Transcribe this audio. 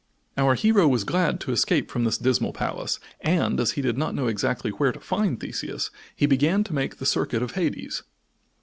Our hero was glad to escape from this dismal palace and as he did not know exactly where to find Theseus he began to make the circuit of Hades.